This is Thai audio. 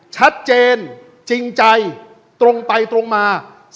ชัดเจนจริงใจตรงไปตรงมา